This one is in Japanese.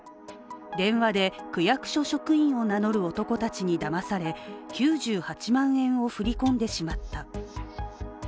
電話で区役所職員を名乗る男たちにだまされ９８万円を振り込んでしまった。